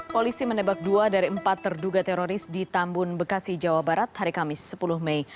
polisi menebak dua dari empat terduga teroris di tambun bekasi jawa barat hari kamis sepuluh mei